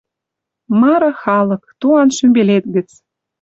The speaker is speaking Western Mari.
Мары халык — туан шӱмбелет гӹц